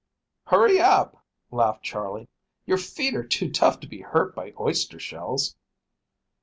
"Hurry up," laughed Charley, "your feet are too tough to be hurt by oyster shells."